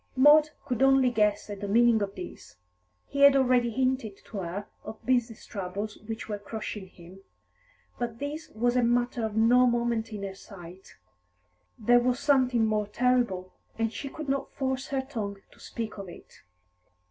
Maud could only guess at the meaning of this. He had already hinted to her of business troubles which were crushing him. But this was a matter of no moment in her sight. There was something more terrible, and she could not force her tongue to speak of it.